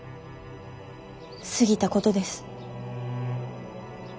過ぎたことです。